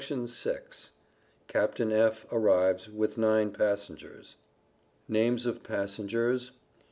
CAPTAIN F. ARRIVES WITH NINE PASSENGERS. NAMES OF PASSENGERS.